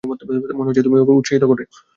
মনে হচ্ছে তুমিই ওকে উৎসাহিত করো?